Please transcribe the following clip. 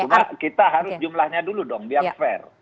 cuma kita harus jumlahnya dulu dong yang fair